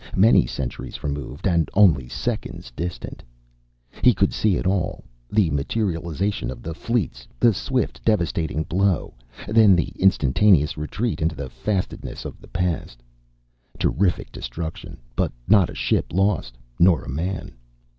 Many centuries removed and only seconds distant. He could see it all: The materialization of the fleets; the swift, devastating blow, then the instantaneous retreat into the fastnesses of the past. Terrific destruction, but not a ship lost nor a man.